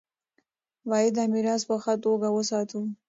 باید دا میراث په ښه توګه وساتو.